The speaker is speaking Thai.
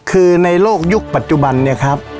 คือในโลกยุคปัจจุบันเนี่ยครับ